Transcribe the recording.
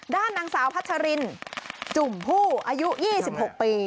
ด้านนางสาวพัชรินจุ่มผู้อายุ๒๖ปี